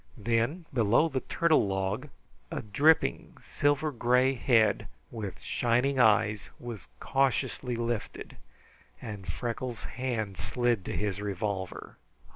Then, below the turtle log, a dripping silver gray head, with shining eyes, was cautiously lifted, and Freckles' hand slid to his revolver.